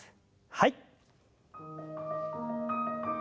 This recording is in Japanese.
はい。